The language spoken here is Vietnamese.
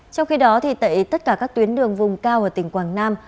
trong khi đó tại tất cả các tuyến đường vùng cao ở tỉnh quảng nam